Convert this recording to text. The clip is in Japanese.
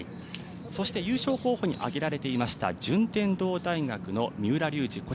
そして優勝候補にあげられていました順天堂大学の三浦龍司